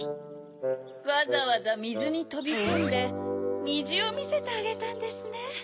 わざわざみずにとびこんでにじをみせてあげたんですね。